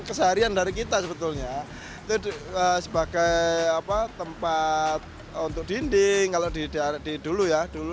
keseharian dari kita sebetulnya itu sebagai apa tempat untuk dinding kalau di dulu ya dulu